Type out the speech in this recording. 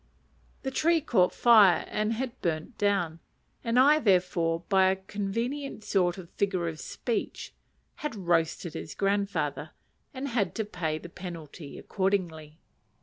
The tree caught fire and had burnt down: and I, therefore, by a convenient sort of figure of speech, had "roasted his grandfather," and had to pay the penalty accordingly.